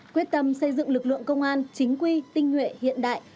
quyết tâm xây dựng lực lượng công an chính quy tinh nguyện hiện đại